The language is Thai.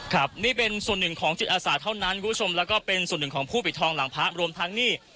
ครับนี่เป็นส่วนหนึ่งของจิตอาสาเท่านั้นคุณผู้ชมแล้วก็เป็นส่วนหนึ่งของผู้ปิดทองหลังพระรวมทั้งนี่